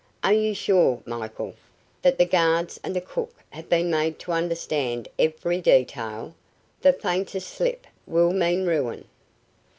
Are you sure, Michael, that the guards and the cook have been made to understand every detail? The faintest slip will mean ruin."